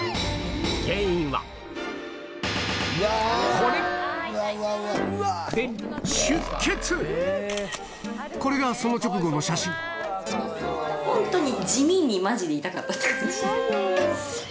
これでこれがその直後の写真ホントに。